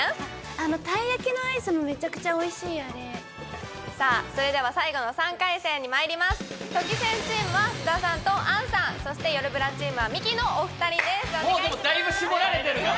あのたい焼きのアイスもめちゃくちゃおいしいあれさあそれでは最後の３回戦にまいりますとき宣チームは菅田さんと杏さんそしてよるブラチームはミキのお二人ですお願いしまー